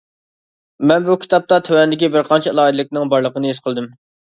مەن بۇ كىتابتا تۆۋەندىكى بىرقانچە ئالاھىدىلىكنىڭ بارلىقىنى ھېس قىلدىم.